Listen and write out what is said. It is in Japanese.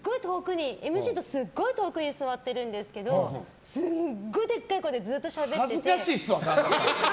すごい遠くに座ってるんですけどすごいでっかい声でしゃべってて。